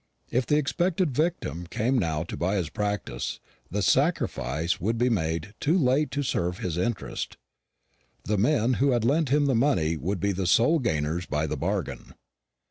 If the expected victim came now to buy his practice, the sacrifice would be made too late to serve his interest. The men who had lent him the money would be the sole gainers by the bargain.